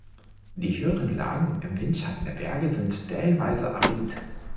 Die höheren Lagen im Windschatten der Berge sind stellenweise arid.